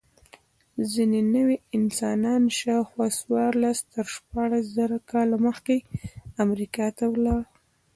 ځینې نوعې انسان شاوخوا څوارلس تر شپاړس زره کاله مخکې امریکا ته ولاړ.